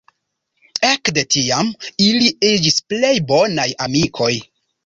Ekde tiam ili iĝis plej bonaj amikoj.